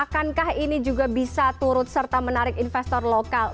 akankah ini juga bisa turut serta menarik investor lokal